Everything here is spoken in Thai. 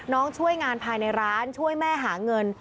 ช่วยงานภายในร้านช่วยแม่หาเงิน